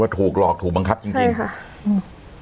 ถูกหลอกถูกบังคับจริงจริงค่ะอืม